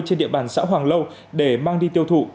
trên địa bàn xã hoàng lâu để mang đi tiêu thụ